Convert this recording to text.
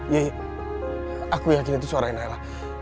ye aku yakin itu suara nayla